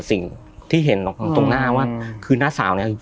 สิ่งที่เห็นตรงหน้าว่าคือหน้าสาวเนี่ย